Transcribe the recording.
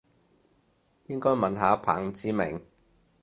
應該問下彭志銘